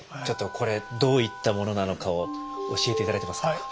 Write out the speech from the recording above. ちょっとこれどういったものなのかを教えて頂けますか。